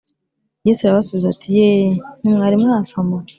Yesu arabasubiza ati “Yee, ntimwari mwasoma